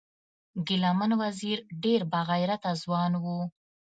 ګلمن وزیر ډیر با غیرته ځوان و